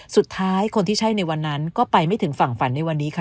สุดท้ายคนที่ใช่ในวันนั้นก็ไปไม่ถึงฝั่งฝันในวันนี้ค่ะ